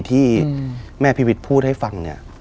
ที่แม่พี่วิทร์พูดให้ฟัง